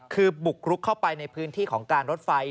คือบุกรุกเข้าไปในพื้นที่ของการรถไฟ